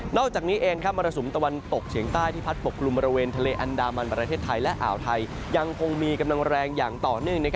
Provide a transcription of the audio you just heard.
อกจากนี้เองมรสุมตะวันตกเฉียงใต้ที่พัดปกลุ่มบริเวณทะเลอันดามันประเทศไทยและอ่าวไทยยังคงมีกำลังแรงอย่างต่อเนื่อง